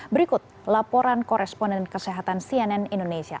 berikut laporan koresponden kesehatan cnn indonesia